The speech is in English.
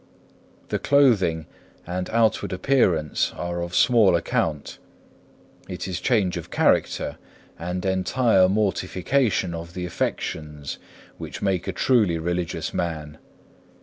2. The clothing and outward appearance are of small account; it is change of character and entire mortification of the affections which make a truly religious man.